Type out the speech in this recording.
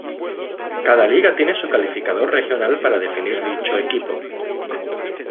Cada liga tiene su calificador regional para definir dicho equipo.